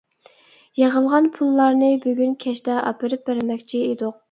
يىغىلغان پۇللارنى بۈگۈن كەچتە ئاپىرىپ بەرمەكچى ئىدۇق.